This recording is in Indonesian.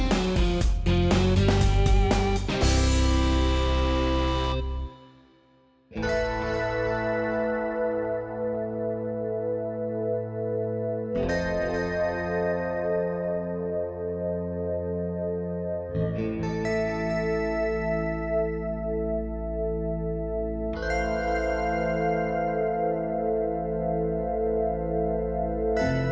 pak diantre di jalan